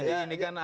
jadi ini kan ada